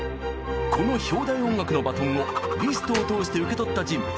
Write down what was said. この「標題音楽」のバトンをリストを通して受け取った人物。